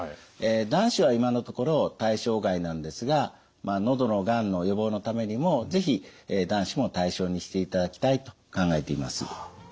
男子は今のところ対象外なんですが喉のがんの予防のためにも是非男子も対象にしていただきたいと考えています。